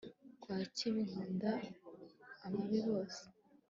Kwanga ikibi kunda ababi bose